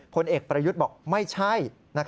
ผลเอกประยุทธ์บอกไม่ใช่